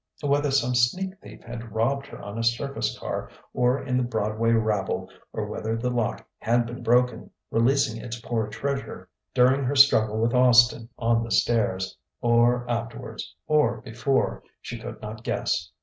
Whether some sneak thief had robbed her on a surface car or in the Broadway rabble, or whether the lock had been broken, releasing its poor treasure, during her struggle with Austin on the stairs or afterwards or before she could not guess.